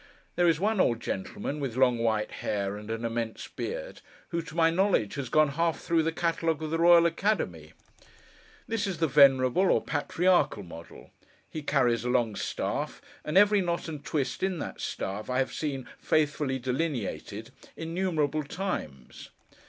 There is one old gentleman, with long white hair and an immense beard, who, to my knowledge, has gone half through the catalogue of the Royal Academy. This is the venerable, or patriarchal model. He carries a long staff; and every knot and twist in that staff I have seen, faithfully delineated, innumerable times.